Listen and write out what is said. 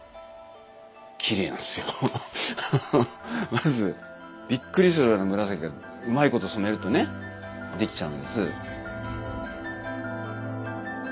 まずびっくりするような紫がうまいこと染めるとねできちゃうんです。